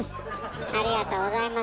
ありがとうございます。